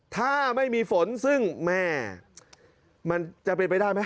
ถ้าไม่มีฝนซึ่งแม่มันจะเป็นไปได้ไหม